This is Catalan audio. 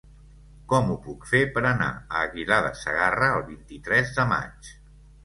Com ho puc fer per anar a Aguilar de Segarra el vint-i-tres de maig?